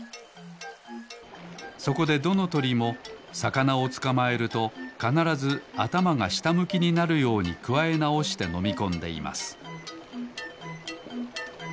そこでどのとりもさかなをつかまえるとかならずあたまがしたむきになるようにくわえなおしてのみこんでいます